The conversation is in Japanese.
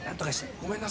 ごめんなさい。